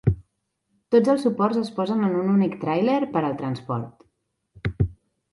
Tots els suports es posen en un únic tràiler per al transport.